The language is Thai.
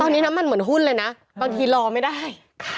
ตอนนี้น้ำมันเหมือนหุ้นเลยนะบางทีรอไม่ได้